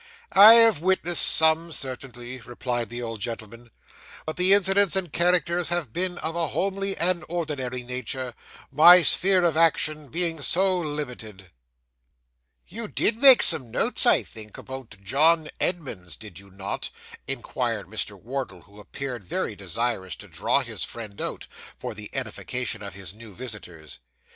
'I have witnessed some certainly,' replied the old gentleman, 'but the incidents and characters have been of a homely and ordinary nature, my sphere of action being so very limited.' 'You did make some notes, I think, about John Edmunds, did you not?' inquired Mr. Wardle, who appeared very desirous to draw his friend out, for the edification of his new visitors.